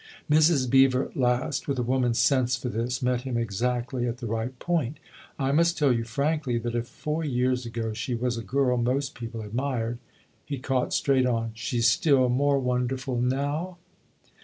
Mrs. Beever at last, with a woman's sense for this, met him exactly at the right point. " I must tell you frankly that if four years ago she was a girl most people admired : He caught straight on. " She's still more won derful now